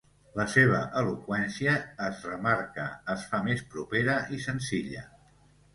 La seva eloqüència es remarca, es fa més propera i senzilla.